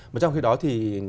mà trong khi đó thì